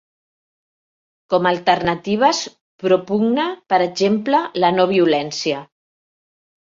Com a alternatives propugna, per exemple, la no-violència.